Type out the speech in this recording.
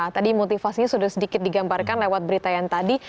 tadi motivasinya sudah sedikit digambarkan lewat berita yang tadi